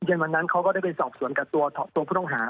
เย็นวันนั้นเขาก็ได้ไปสอบสวนกับตัวผู้ต้องหา